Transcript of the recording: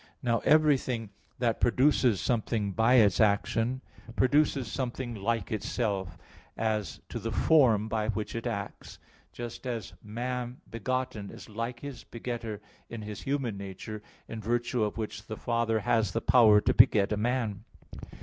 Now, everything that produces something by its action, produces something like itself, as to the form by which it acts; just as man begotten is like his begetter in his human nature, in virtue of which the father has the power to beget a man.